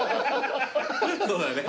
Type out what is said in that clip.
そうだよね。